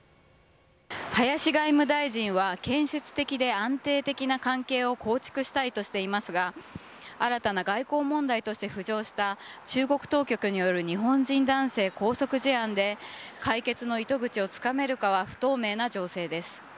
林外務大臣は建設的で安定的な関係を構築したいとしていますが新たな外交問題として浮上した中国当局による日本人男性拘束事案で解決の糸口がつかめるかは不透明な情勢です。